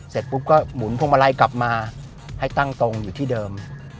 เสร็จปุ๊บก็หมุนพวงมาลัยกลับมาให้ตั้งตรงอยู่ที่เดิม